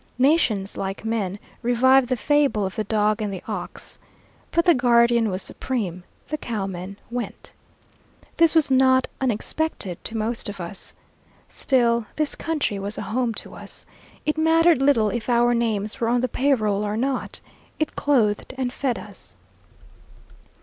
Nations, like men, revive the fable of the dog and the ox. But the guardian was supreme the cowman went. This was not unexpected to most of us. Still, this country was a home to us. It mattered little if our names were on the pay roll or not, it clothed and fed us.